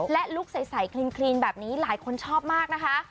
และลุคใสคลีนแบบนี้หลายคนชอบมากนะคะ